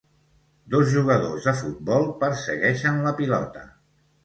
Dos jugadors de futbol persegueixen la pilota.